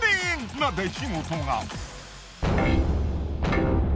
な出来事が。